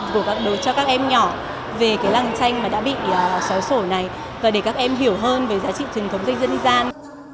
cho các em nhỏ về cái làng tranh mà đã bị xóa sổ này và để các em hiểu hơn về giá trị truyền thống dây dẫn dân gian